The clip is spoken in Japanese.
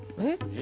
え？